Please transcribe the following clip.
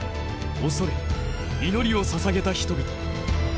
畏れ祈りをささげた人々。